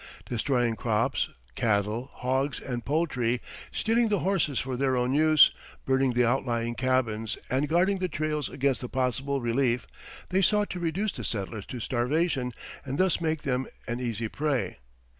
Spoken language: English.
Destroying crops, cattle, hogs, and poultry, stealing the horses for their own use, burning the outlying cabins, and guarding the trails against possible relief, they sought to reduce the settlers to starvation, and thus make them an easy prey.